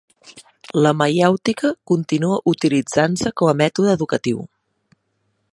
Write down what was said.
La maièutica continua utilitzant-se com a mètode educatiu.